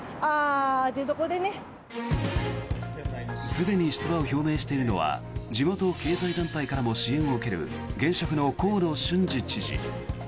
すでに出馬を表明しているのは地元経済団体からも支援を受ける現職の河野俊嗣知事。